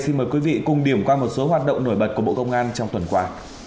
xin mời quý vị cùng điểm qua một số hoạt động nổi bật của bộ công an trong tuần qua